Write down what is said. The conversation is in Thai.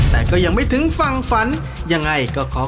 ตักได้เท่าไร